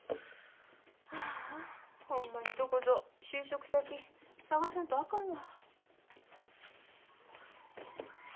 ああほんまにどこぞ就職先探さんとあかんわ。